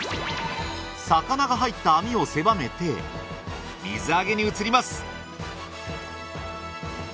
魚が入った網を狭めて水揚げに移ります